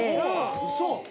ウソ！